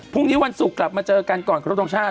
พรุ่งนี้วันศุกร์กลับมาเจอกันก่อนขอรบทรงชาติ